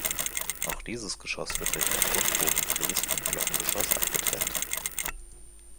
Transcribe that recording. Auch dieses Geschoss wird durch einen Rundbogenfries vom Glockengeschoss abgetrennt.